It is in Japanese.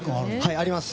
あります。